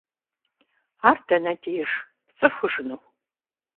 Ар дэнэ деж? ПцӀыхужыну?